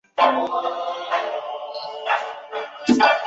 降伏的义长最终也自刃身亡。